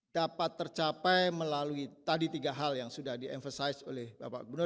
dapat tercapai melalui tadi tiga hal yang sudah di eversize oleh bapak gubernur